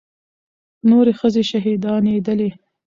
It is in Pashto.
نورې ښځې شهيدانېدلې.